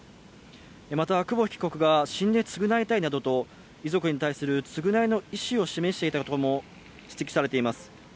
また、久保木被告が死んで償いたいなどと遺族に対する償いの意思を示していたことも指摘されています。